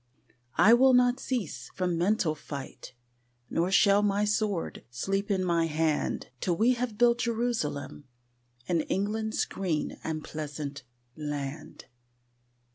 I will not cease from mental fight, Nor shall my sword sleep in my hand Till we have built Jerusalem In England's green and pleasant land.